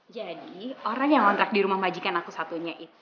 jadi orang yang ngontrak di rumah majikan aku satunya itu udah abis kolonial